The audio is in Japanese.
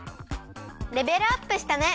レベルアップしたね！